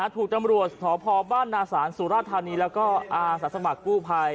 ถูกตำรวจทหพบ้านนาสนสุรธานีและกิ้นห้อสักสมัครกู้ภัย